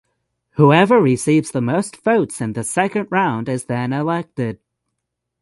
Whoever receives the most votes in the second round is then elected.